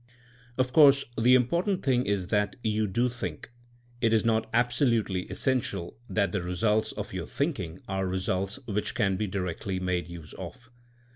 Of course the important thing is that you do think. It is not absolutely essential that the ' results of your thinking are results which can , be directly made use of.